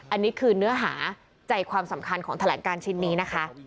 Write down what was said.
อันนี้คือเนื้อหาใจความสำคัญของแถลงการชิ้นนี้นะคะ